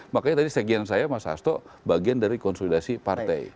makanya tadi sekian saya mas hasto bagian dari konsolidasi partai